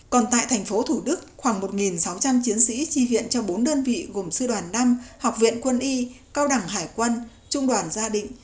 còn tại thành phố thủ đức khoảng một sáu trăm linh chiến sĩ chi viện cho bốn đơn vị gồm sư đoàn năm học viện quân y cao đẳng hải quân trung đoàn gia định